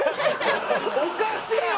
おかしいよ！